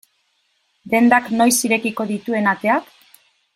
Dendak noiz irekiko dituen ateak?